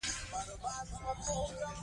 لوستې میندې ماشوم ته سالم فکر ورکوي.